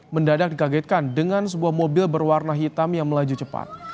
mendadak dikagetkan dengan sebuah mobil berwarna hitam yang melaju cepat